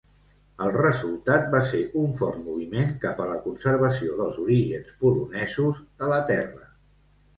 El resultat va ser un fort moviment cap a la conservació dels orígens polonesos de la terra.